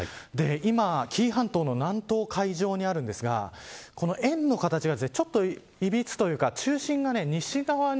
今、紀伊半島の南東海上にあるんですがこの円の形がちょっといびつというか中心が西側に。